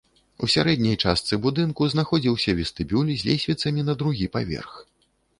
У сярэдняй частцы будынку знаходзіўся вестыбюль з лесвіцамі на другі паверх.